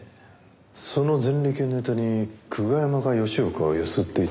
その前歴をネタに久我山が吉岡をゆすっていた。